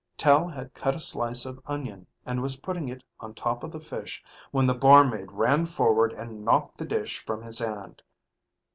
Tel had cut a slice of onion and was putting it on top of the fish when the barmaid ran forward and knocked the dish from his hand.